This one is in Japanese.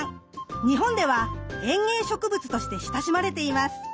日本では園芸植物として親しまれています。